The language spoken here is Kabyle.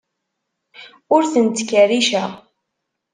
Ur ten-ttkerriceɣ.